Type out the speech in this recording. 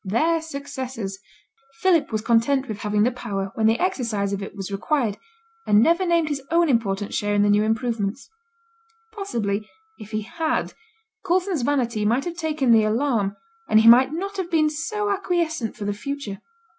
'Their successors.' Philip was content with having the power when the exercise of it was required, and never named his own important share in the new improvements. Possibly, if he had, Coulson's vanity might have taken the alarm, and he might not have been so acquiescent for the future.